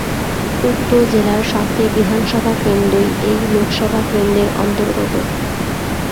উক্ত জেলার সাতটি বিধানসভা কেন্দ্রই এই লোকসভা কেন্দ্রের অন্তর্গত।